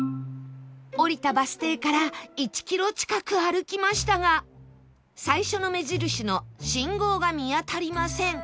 降りたバス停から１キロ近く歩きましたが最初の目印の信号が見当たりません